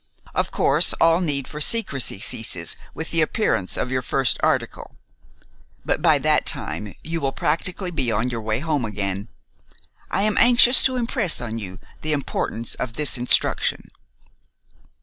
Of course, all need for secrecy ceases with the appearance of your first article; but by that time you will practically be on your way home again. I am anxious to impress on you the importance of this instruction."